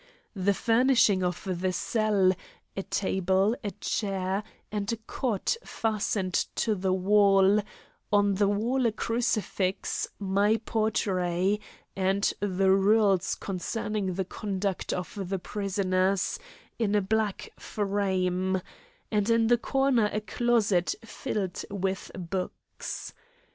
The furnishing of the cell: a table, a chair, and a cot fastened to the wall; on the wall a crucifix, my portrait, and the rules concerning the conduct of the prisoners, in a black frame; and in the corner a closet filled with books.